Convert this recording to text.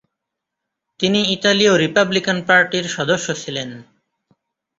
তিনি ইতালীয় রিপাবলিকান পার্টির সদস্য ছিলেন।